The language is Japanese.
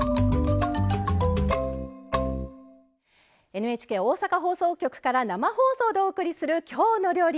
ＮＨＫ 大阪放送局から生放送でお送りする「きょうの料理」。